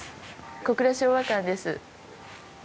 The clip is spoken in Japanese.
小倉昭和館です。